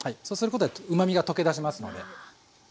そうすることでうまみが溶け出しますので。